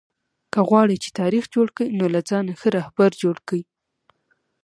که غواړى، چي تاریخ جوړ کى؛ نو له ځانه ښه راهبر جوړ کئ!